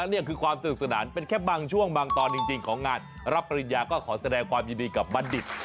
นี่คือความสนุกสนานเป็นแค่บางช่วงบางตอนจริงของงานรับปริญญาก็ขอแสดงความยินดีกับบัณฑิต